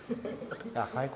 最高。